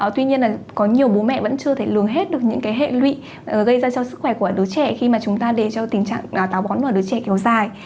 tuy nhiên là có nhiều bố mẹ vẫn chưa thể lường hết được những hệ lụy gây ra cho sức khỏe của đứa trẻ khi mà chúng ta để cho tình trạng táo bóng vào đứa trẻ kéo dài